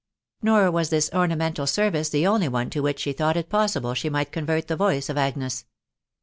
Nor was this ornamental service the only one to which she thought it possible she might convert the voice of Agnes.